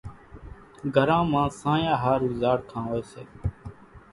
گھران مان سانيا ۿارُو زاڙکان هوئيَ سي۔